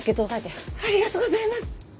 ありがとうございます！